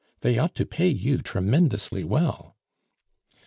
They ought to pay you tremendously well."